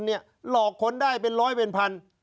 หลอกคนได้เป็นร้อยเป็นพัน